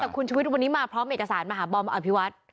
แต่คุณชุวิตวันนี้มาพร้อมเอกสารมาหาบอมอภิวัฒน์